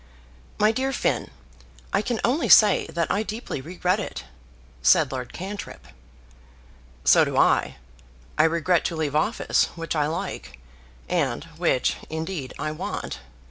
"My dear Finn, I can only say that I deeply regret it," said Lord Cantrip. "So do I. I regret to leave office, which I like, and which indeed I want.